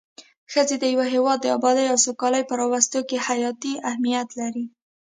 ښځی د يو هيواد د ابادي او سوکالي په راوستو کي حياتي اهميت لري